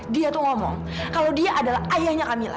dia tuh ngomong kalau dia adalah ayahnya kamila